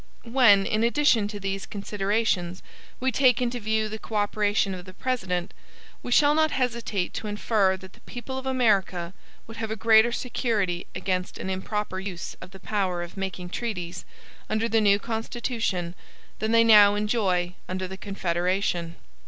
When, in addition to these considerations, we take into view the co operation of the President, we shall not hesitate to infer that the people of America would have greater security against an improper use of the power of making treaties, under the new Constitution, than they now enjoy under the Confederation.